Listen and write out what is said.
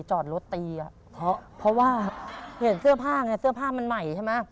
จอดรถตีอ่ะเพราะว่าเห็นเสื้อผ้าไงเสื้อผ้ามันใหม่ใช่ไหม